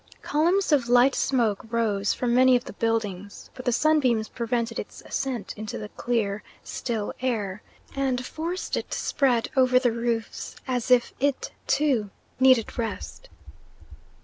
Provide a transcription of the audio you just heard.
Columns of light smoke rose from many of the buildings, but the sunbeams prevented its ascent into the clear, still air, and forced it to spread over the roofs as if it, too, needed rest.